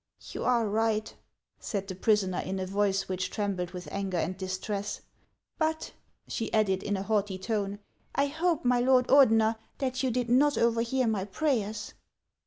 " You are right," said the prisoner, in a voice which trembled with anger and distress ;" but," she added, in a haughty tone, " I hope, my lord Ordener, that you did not overhear my prayers